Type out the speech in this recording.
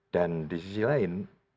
dan di sisi lain